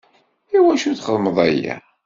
I wacu i txedmeḍ aya?